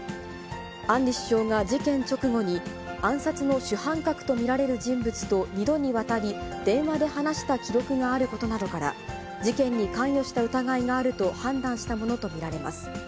アンリ首相が事件直後に、暗殺の主犯格と見られる人物と２度にわたり、電話で話した記録があることなどから、事件に関与した疑いがあると判断したものと見られます。